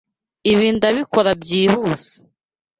Ibi ndabikora byihuse.